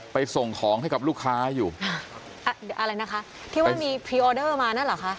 ส่งของให้กับลูกค้าอยู่อะไรนะคะที่ว่ามีพรีออเดอร์มานั่นเหรอคะ